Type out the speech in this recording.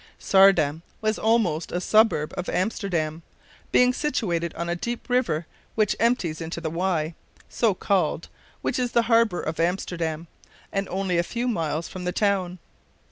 Saardam was almost a suburb of Amsterdam, being situated on a deep river which empties into the Y, so called, which is the harbor of Amsterdam, and only a few miles from the town.